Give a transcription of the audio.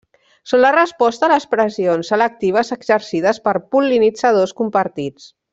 Són la resposta a les pressions selectives exercides per pol·linitzadors compartits.